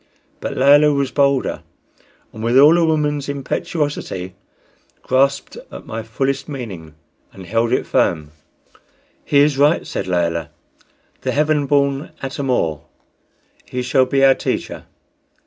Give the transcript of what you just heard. But Layelah was bolder, and with all a woman's impetuosity grasped at my fullest meaning and held it firm. "He is right," said Layelah "the heaven born Atam or. He shall be our teacher.